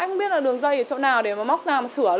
không biết là đường dây ở chỗ nào để móc ra